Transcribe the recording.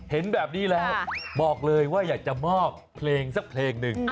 เห็นแบบนี้แล้วบอกเลยว่าอยากจะมอบเพลงสักเพลงหนึ่ง